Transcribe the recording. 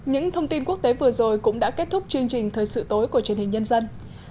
những thông tin quốc tế vừa rồi cũng đã kết thúc chương trình thời sự tối của truyền hình nhân dân